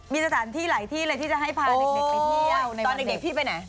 มีสถานที่หลายที่เลยที่จะให้พาเด็กไปเที่ยว